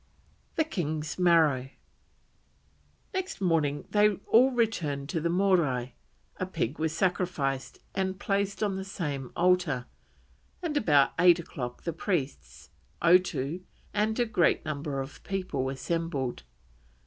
THE KING'S MARO. Next morning they all returned to the Morai; a pig was sacrificed and placed on the same altar, and about eight o'clock the priests, Otoo, and a great number of people assembled.